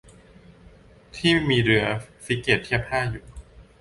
ที่มีเรือฟริเกตเทียบท่าอยู่